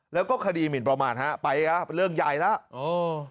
แล้วก็คดีหมินประมาณฮะไปนะเรื่องใหญ่แล้ว